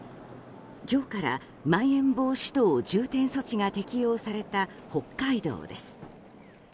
今日からまん延防止等重点措置が適用された北海道です。